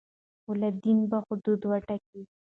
والدین به حدود وټاکي.